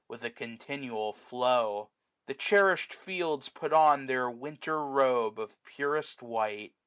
With a continual flow. The cherishM fields Put on their winter robe of purest white.